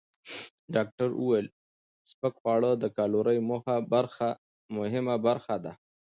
ډاکټره وویل، سپک خواړه د کالورۍ مهمه برخه دي.